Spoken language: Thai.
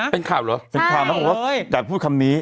เป็นข่าวแล้วนะอยากพูดคำนี้